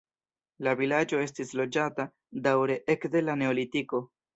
La vilaĝo estis loĝata daŭre ekde la neolitiko.